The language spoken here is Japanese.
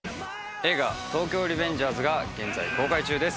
映画『東京リベンジャーズ』が現在公開中です。